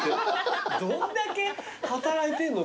どんだけ働いてんのと思って。